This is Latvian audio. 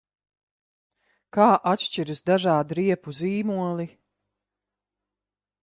Kā atšķiras dažādi riepu zīmoli?